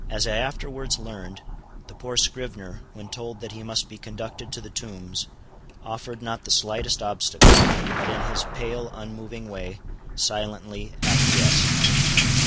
As I afterwards learned, the poor scrivener, when told that he must be conducted to the Tombs, offered not the slightest obstacle, but in his pale unmoving way, silently acquiesced.